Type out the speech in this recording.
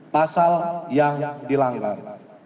pasal yang dilanggar